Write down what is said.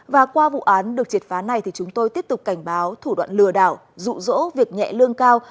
và qua vụ án được triệt phá này thì chúng tôi tiếp tục cảnh báo thủ đoạn lừa đảo rụ rỗ việc nhẹ lương cao